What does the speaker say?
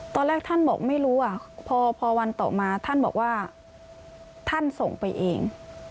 ตอนแรกท่านบอกไม่รู้พอวันต่อมาท่านบอกว่าท่านส่งไปเอง